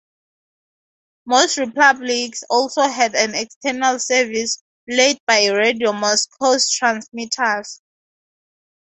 Most republics also had an external service, relayed by Radio Moscow's transmitters.